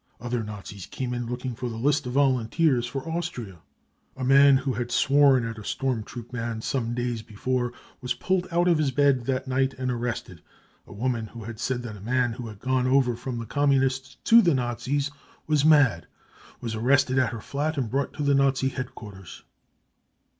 Other Nazis came in looking for the list of volunteers for Austria (!)." A man who had sworn at a storm troop man some days before was pulled out of his bed that night and arrested. A woman, who had said that a man who had gone over from the Communists to the Nazis was mad, was arrested at her flat and brought to the Nazi headquarters.